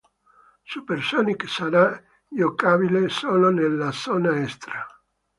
Super Sonic sarà giocabile solo nella zona extra.